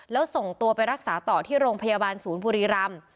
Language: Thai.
แล้วส่งตัวไปรักษาต่อที่โรงพยาบาลศูนย์บุรีรำ